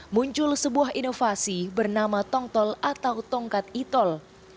muncul sebuah inovasi bernama tongtol atau tongkat itol